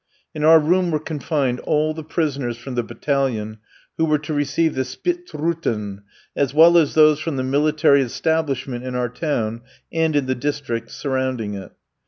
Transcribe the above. In our room were confined all the prisoners from the battalion who were to receive the spitzruten [rods], as well as those from the military establishment in our town and in the district surrounding it.